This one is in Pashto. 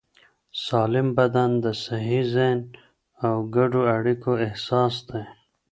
سالم بدن د صحي ذهن او ګډو اړیکو اساس دی.